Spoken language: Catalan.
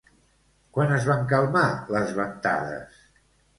Quan es van calmar les ventades?